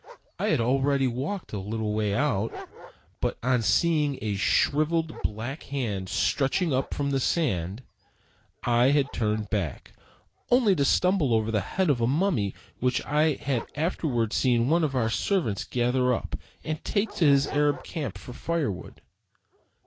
I had already walked a little way out, but on seeing a shriveled black hand stretching up from the sand, I had turned back; only to stumble over the head of a mummy which I had afterward seen one of our servants gather up and take to his Arab camp for firewood.